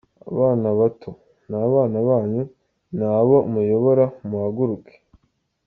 Abana bato! Ni abana banyu ni abo muyobora muhaguruke.